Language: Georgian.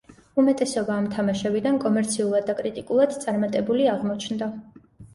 უმეტესობა ამ თამაშებიდან კომერციულად და კრიტიკულად წარმატებული აღმოჩნდა.